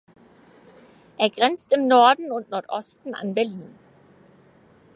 Er grenzt im Norden und Nordosten an Berlin.